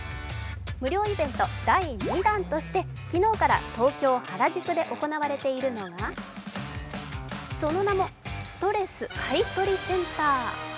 無料イベント第２弾として昨日から東京・原宿で行われているのがその名もストレス買取センター。